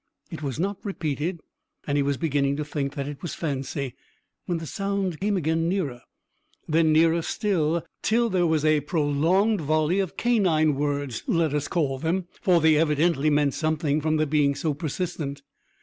It was not repeated, and he was beginning to think that it was fancy, when the sound came again nearer, then nearer still, till there was a prolonged volley of canine words, let us call them, for they evidently meant something from their being so persistent.